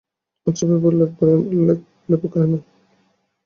আচ্ছা, ল্যাপ্রেকনেরা।